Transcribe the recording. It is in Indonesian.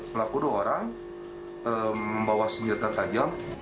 pelaku dua orang membawa senjata tajam